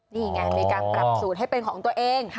นี่ไงมีการปรับสูตรให้เป็นของตัวเอง